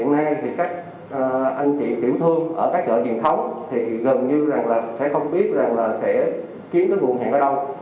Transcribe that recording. hiện nay thì các anh chị tiểu thương ở các chợ truyền thống thì gần như là sẽ không biết rằng là sẽ kiếm cái nguồn hàng ở đâu